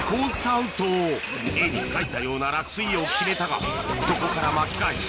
アウト絵に描いたような落水を決めたがそこから巻き返し